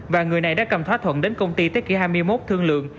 và người này đã cầm thỏa thuận đến công ty thế kỷ hai mươi một thương lượng